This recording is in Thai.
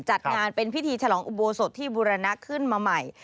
จัดงานเป็นพิธีฉลองอุโบสถที่บุรณะขึ้นมาใหม่